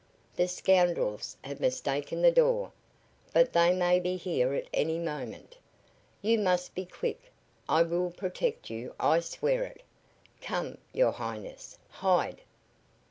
The scoundrels have mistaken the door, but they may be here at any moment. You must be quick! I will protect you I swear it! Come, your Highness! Hide!"